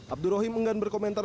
abdur rahim menggan berkomentar